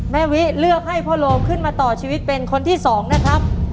วิเลือกให้พ่อโลมขึ้นมาต่อชีวิตเป็นคนที่๒นะครับ